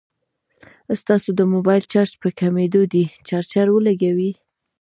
ستاسو د موبايل چارج په کميدو دی ، چارجر ولګوئ